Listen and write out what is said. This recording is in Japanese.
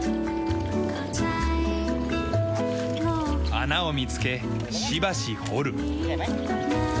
穴を見つけしばし掘る。